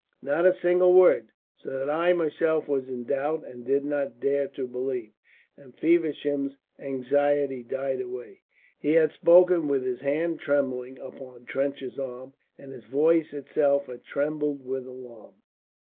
"Not a single word. So that I myself was in doubt, and did not dare to believe," and Feversham's anxiety died away. He had spoken with his hand trembling upon Trench's arm, and his voice itself had trembled with alarm.